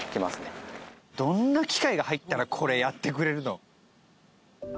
どんな機械が入ったらこれやってくれるの？